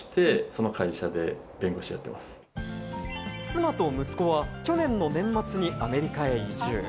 妻と息子は去年の年末にアメリカへ移住。